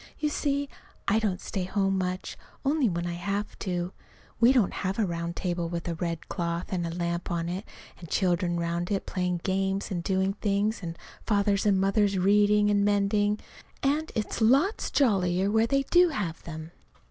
You see, I don't stay at home much, only when I have to. We don't have a round table with a red cloth and a lamp on it, and children 'round it playing games and doing things, and fathers and mothers reading and mending. And it's lots jollier where they do have them.